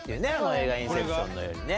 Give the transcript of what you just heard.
映画『インセプション』のようにね。